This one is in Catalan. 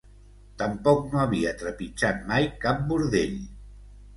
Tampoc no havia trepitjat mai cap bordell.